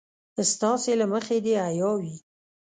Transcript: ستاسې له مخې د حيا وي.